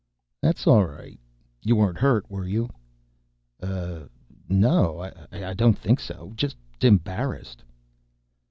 "That's all right. You weren't hurt, were you?" "Uh, no ... I don't think so. Just embarrassed."